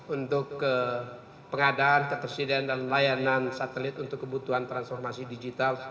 untuk pengadaan ketersediaan dan layanan satelit untuk kebutuhan transformasi digital